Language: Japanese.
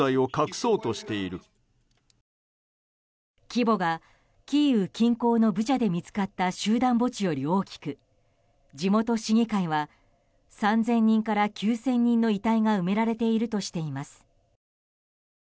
規模がキーウ近郊のブチャで見つかった集団墓地より大きく地元市議会は３０００人から９０００人の遺体が埋められているとしています。